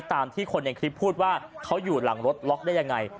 ตามที่คนในคลิปพูดว่าเขาอยู่หลังรถล็อกได้ยังไง